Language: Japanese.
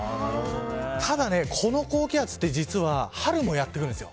ただこの高気圧は実は春もやってくるんです。